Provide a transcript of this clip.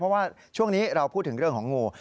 เพราะว่าช่วงนี้เราพูดถึงเรื่องของงู